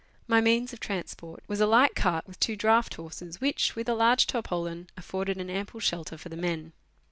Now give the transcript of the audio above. My means of transport was a light cart with two draught horses, which, with a large tarpaulin, afforded an ample shelter for the men.